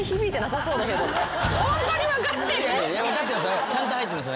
分かってます